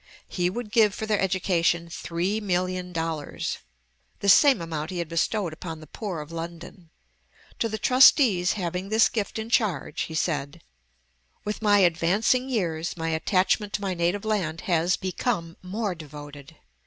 He would give for their education three million dollars, the same amount he had bestowed upon the poor of London. To the trustees having this gift in charge he said, "With my advancing years, my attachment to my native land has but become more devoted.